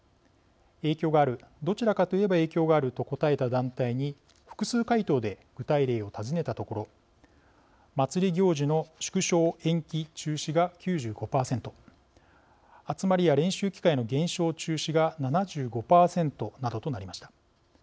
影響があるどちらかといえば影響があると答えた団体に複数回答で具体例を尋ねたところ祭り行事の縮小、延期・中止が９５％集まりや練習機会の減少・中止が７５％などとなりました。